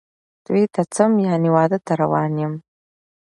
توی ته څم ،یعنی واده ته روان یم